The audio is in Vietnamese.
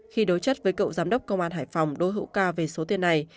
khi đối chất với cậu giám đốc công an hải phòng đối hữu ca về số tiền này